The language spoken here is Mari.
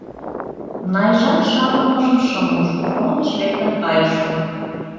— Найжан шарлымыжым шым уж — фронтыш лектын кайышым...